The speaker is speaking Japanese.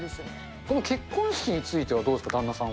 この結婚式についてはどうですか、旦那さんは。